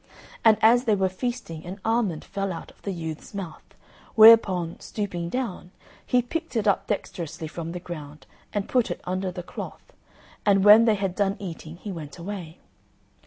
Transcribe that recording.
And as they were feasting an almond fell out of the youth's mouth, whereupon, stooping down, he picked it up dexterously from the ground and put it under the cloth, and when they had done eating he went away.